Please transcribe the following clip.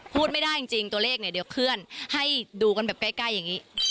พูดไม่ได้จริงตัวเลขเนี่ยเดี๋ยวเคลื่อนให้ดูกันแบบใกล้อย่างนี้